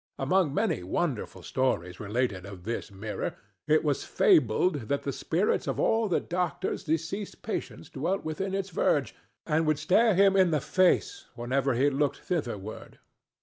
Among many wonderful stories related of this mirror, it was fabled that the spirits of all the doctor's deceased patients dwelt within its verge and would stare him in the face whenever he looked thitherward.